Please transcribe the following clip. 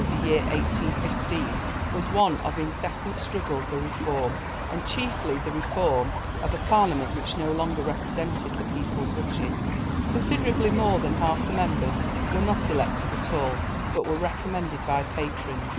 ] The period which followed the year 1815 was one of incessant struggle for reform, and chiefly the reform of a Parliament which no longer represented the people's wishes. Considerably more than half the members were not elected at all, but were recommended by patrons.